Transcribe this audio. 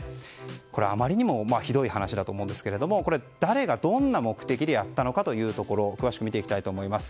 あまりにもひどい話だと思うんですけれども誰がどんな目的でやったのか詳しく見ていきます。